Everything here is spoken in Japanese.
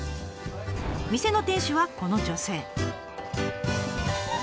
店の店主はこの女性。